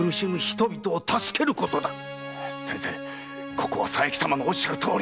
ここは佐伯様のおっしゃるとおりに！